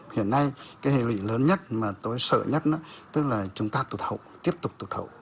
hiện nay cái hệ lụy lớn nhất mà tôi sợ nhất tức là chúng ta tụt hậu tiếp tục tụt hậu